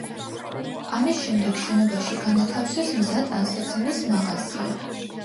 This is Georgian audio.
ამის შემდეგ შენობაში განათავსეს მზა ტანსაცმლის მაღაზია.